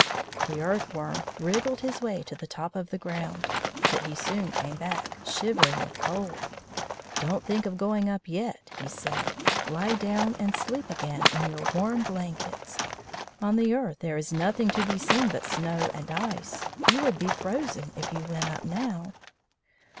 The Earth worm wriggled his way to the top of the ground, but he soon came back, shivering with cold. "Don't think of going up yet," he said; "lie down and sleep again in your warm blankets. On the earth there is nothing to be seen but snow and ice. You would be frozen if you went up now."